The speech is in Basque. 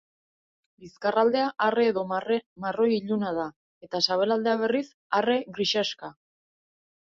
Bizkarraldea arre edo marroi iluna da, eta sabelaldea, berriz arre-grisaxka.